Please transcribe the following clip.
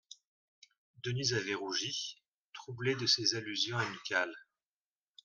Denise avait rougi, troublée de ces allusions amicales.